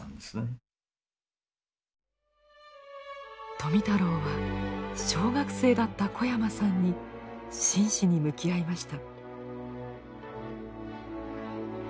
富太郎は小学生だった小山さんに真摯に向き合いました。